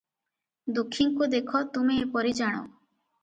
ଦୁଃଖୀଙ୍କୁ ଦେଖ ତୁମେ ଏପରି ଜାଣ ।